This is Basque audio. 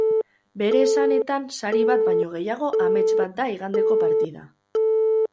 Bere esanetan sari bat baino gehiago amets bat da igandeko partida.